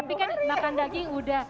tapi kan makan daging udah